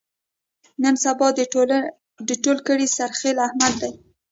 نن سبا د ټول کلي سرخیل احمد دی.